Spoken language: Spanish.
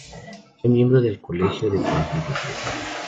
Fue miembro del Colegio de Pontífices.